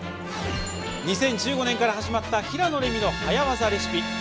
２０１５年から始まった「平野レミの早わざレシピ」